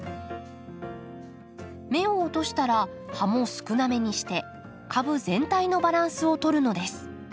芽を落としたら葉も少なめにして株全体のバランスをとるのです。